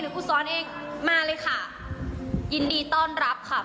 ครูสอนเองมาเลยค่ะยินดีต้อนรับค่ะ